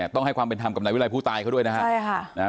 ต้องให้ความเป็นธรรมกับนายวิรัยผู้ตายเขาด้วยนะครับ